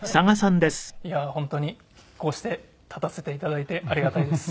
いや本当にこうして立たせて頂いてありがたいです。